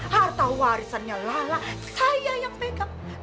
harta warisannya lala saya yang pegang